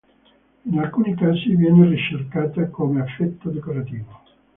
In alcuni casi viene ricercata come effetto decorativo.